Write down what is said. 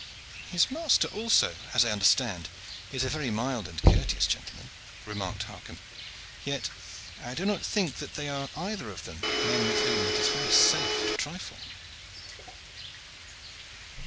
"His master also, as I understand, is a very mild and courteous gentleman," remarked Harcomb; "yet I do not think that they are either of them men with whom it is very safe to trifle."